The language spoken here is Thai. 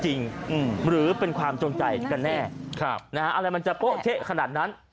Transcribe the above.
หรือเป็นความจงใจกันแน่นะฮะอะไรมันจะเช่นขนาดนั้น